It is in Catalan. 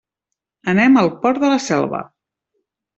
Anem al Port de la Selva.